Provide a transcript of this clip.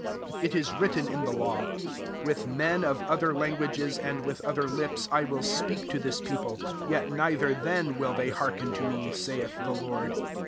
21 It is written in the law, " With men of other languages and with other lips, I will speak to this people ; yet neither then will they hearken to me, saith the Lord."